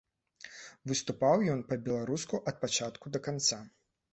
Выступаў ён па-беларуску ад пачатку да канца.